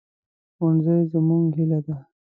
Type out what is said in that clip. ښوونځی زموږ هیله ده